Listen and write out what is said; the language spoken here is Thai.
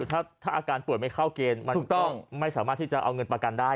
ถ้าอาการป่วยไม่เข้าเกณฑ์มันก็ไม่สามารถที่จะเอาเงินประกันได้